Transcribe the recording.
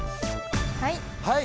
はい！